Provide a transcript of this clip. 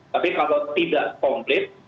tapi kalau tidak komplit